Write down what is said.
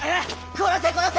殺せ殺せ！